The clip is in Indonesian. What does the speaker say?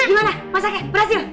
gimana masaknya berhasil